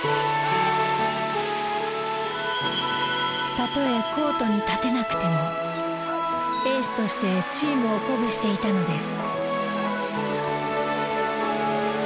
たとえコートに立てなくてもエースとしてチームを鼓舞していたのです。